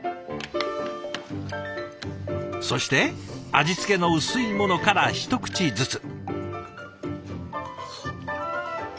そして味付けの薄いものから一口ずつ。